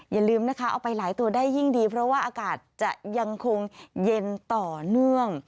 อย่าลืมนะคะเอาไปหลายตัวได้ยิ่งดีเพราะว่าอากาศจะยังคงเย็นต่อเนื่อง